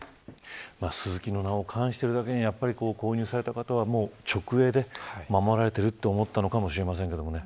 スズキの名を冠しているだけに購入された方は、直営で守られていると思ったのかもしれませんけどね。